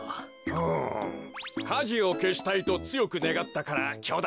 ふむかじをけしたいとつよくねがったからきょだ